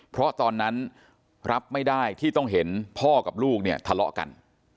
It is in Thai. เพราะตอนนั้นรับไม่ได้ที่ต้องเห็นพ่อกับลูกเนี่ยทะเลาะกัน